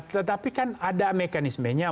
tetapi kan ada mekanismenya